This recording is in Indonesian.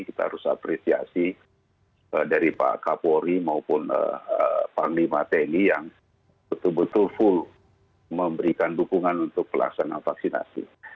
kita harus apresiasi dari pak kapolri maupun panglima tni yang betul betul full memberikan dukungan untuk pelaksanaan vaksinasi